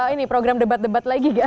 ini program debat debat lagi